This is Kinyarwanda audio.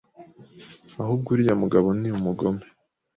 Ahubwo uriya mugabo ni umugome